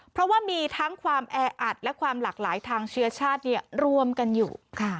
เพราะว่ามีทั้งความแออัดและความหลากหลายทางเชื้อชาติรวมกันอยู่